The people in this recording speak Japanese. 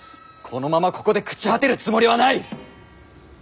このままここで朽ち果てるつもりはない！